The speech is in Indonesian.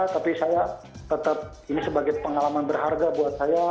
tapi saya tetap ini sebagai pengalaman berharga buat saya